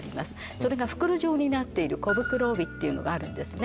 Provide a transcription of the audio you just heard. それが袋状になっている小袋帯っていうのがあるんですね